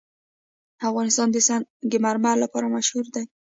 افغانستان د سنگ مرمر لپاره مشهور دی.